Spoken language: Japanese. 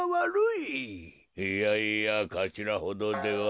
いやいやかしらほどでは。